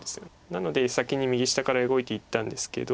なので先に右下から動いていったんですけど。